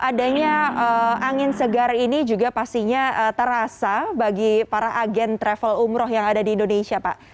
adanya angin segar ini juga pastinya terasa bagi para agen travel umroh yang ada di indonesia pak